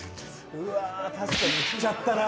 うわ確かに言っちゃったな。